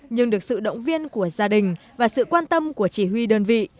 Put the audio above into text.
nhưng được sự động viên của gia đình và sự quan tâm của chỉ huy đơn vị